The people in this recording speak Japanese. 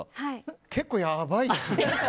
結構やばいですね。